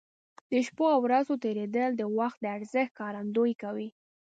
د شپو او ورځو تېرېدل د وخت د ارزښت ښکارندوي کوي.